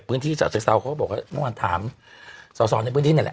พื้นที่สาวเศรษฐาเขาก็บอกว่าเมื่อวานถามสอสอนในพื้นที่ไหนแหละ